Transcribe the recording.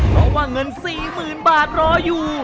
เพราะว่าเงิน๔๐๐๐บาทรออยู่